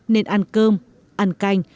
nên ăn cơm ăn canh